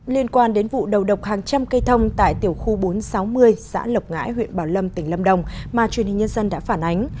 liên quan đến vụ đầu độc hàng trăm cây thông tại tiểu khu bốn trăm sáu mươi xã lộc ngãi huyện bảo lâm tỉnh lâm đồng mà truyền hình nhân dân đã phản ánh